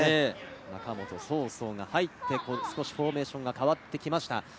仲本宗蒼が入ってフォーメーションが少し変わってきました。